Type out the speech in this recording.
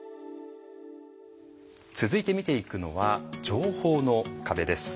続いて見ていくのは情報の壁です。